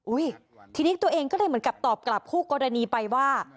ทีนี้ตัวเองก็เลยเหมือนกับตอบกลับคู่กรณีไปว่า